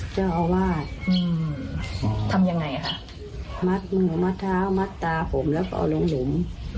เจ้าอาวาสทำยังไงค่ะมัดมือมัดเท้ามัดตาผมแล้วก็เอาลงหลุม